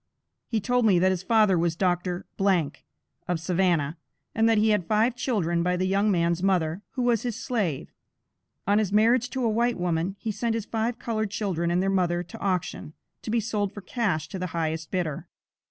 He told me that his father was Dr. of Savannah, and that he had five children by the young man's mother, who was his slave. On his marriage to a white woman, he sent his five colored children and their mother to auction, to be sold for cash to the highest bidder.